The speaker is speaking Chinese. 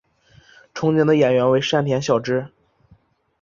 憧憬的演员为山田孝之。